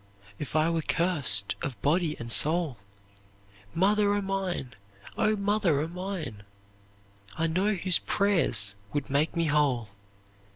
"'If I were cursed of body and soul, Mother o' mine, O mother o' mine! I know whose prayer's would make me whole!